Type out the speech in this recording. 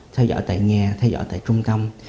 theo dõi tại nhà theo dõi tại trung tâm